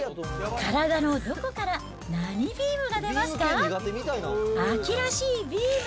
体のどこから何ビームが出ますか？